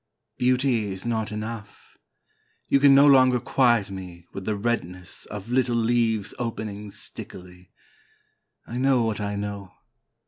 Beauty is not enough. You can no longer quiet me with the redness Of little leaves opening stickily. I know what I know.